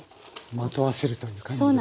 まとわせるという感じですかね。